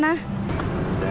udah jangan dijawab